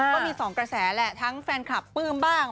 ก็มี๒กระแสแหละทั้งแฟนคลับปลื้มบ้าง